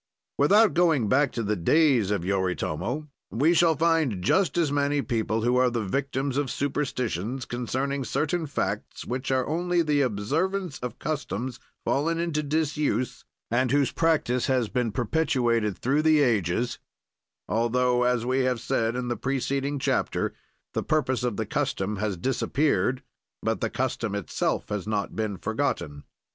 Without going back to the days of Yoritomo, we shall find just as many people who are the victims of superstitions concerning certain facts, which are only the observance of customs fallen into disuse, and whose practise has been perpetuated through the ages, altho, as we have said in the preceding chapter, the purpose of the custom has disappeared, but the custom itself has not been forgotten.